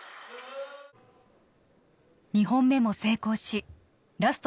２本目も成功しラスト